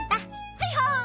はいはい。